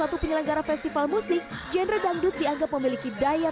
ray taman keseluruhan belajar kekuatan kerja yang dibuat disebab oleh sosial media